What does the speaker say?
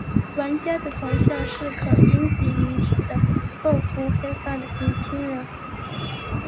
玩家的头像是可编辑名字的褐肤黑发的年轻人。